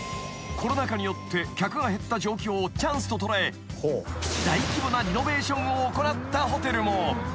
コロナ禍によって客が減った状況をチャンスと捉え大規模なリノベーションを行ったホテルも］